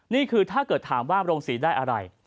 นี่คือถ้าเกิดถามว่าโรงศรีได้อะไร